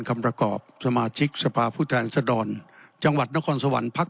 คำประกอบสมาชิกสภาผู้แทนสดรกนาคสวรรนห์ภักษ